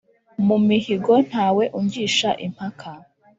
mu mihigo ntawe ungisha impaka.